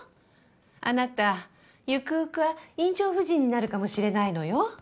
あなたゆくゆくは院長夫人になるかもしれないのよ？